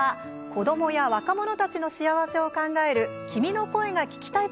子どもや若者の幸せを考える「君の声が聴きたい」。